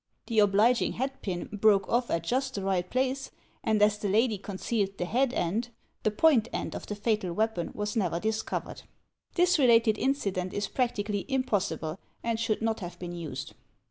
The obliging hatpin broke off at just the right place, and as the lady concealed the head end, the point end of the fatal weapon was never discovered. This related incident is practically impossible and shotdd not have been used.